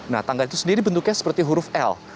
nah tangga itu sendiri bentuknya seperti huruf l